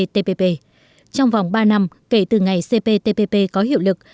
trong vòng ba năm kể từ ngày cptpp có hiệu lực